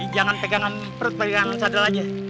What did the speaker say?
jangan pegangan perut pegangan cadar aja